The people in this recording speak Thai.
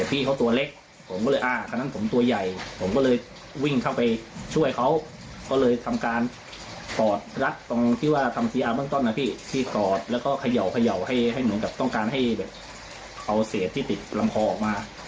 เอาเศษที่ติดลำคอออกมา